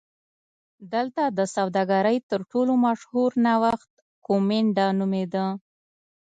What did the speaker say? دلته د سوداګرۍ تر ټولو مشهور نوښت کومېنډا نومېده